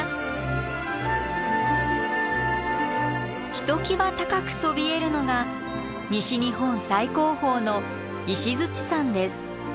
ひときわ高くそびえるのが西日本最高峰の石山です。